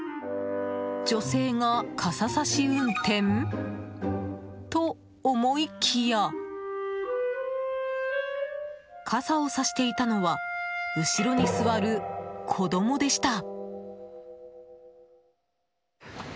女性が傘さし運転と思いきや傘をさしていたのは後ろに座る子供でした。